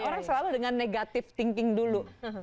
orang selalu dengan negative thinking dulu